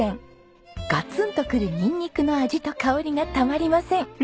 ガツンとくるニンニクの味と香りがたまりません。